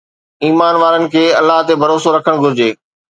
ايمان وارن کي الله تي ڀروسو رکڻ گهرجي